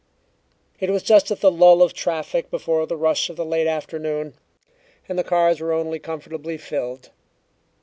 It was just at the lull of traffic before the rush of the late afternoon, and the cars were only comfortably filled.